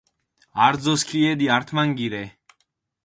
არძო სქილედი ართმანგი რე.